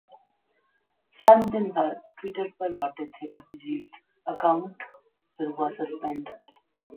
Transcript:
सात दिन बाद ट्विटर पर लौटे थे अभिजीत, अकाउंट फिर हुआ सस्पेंड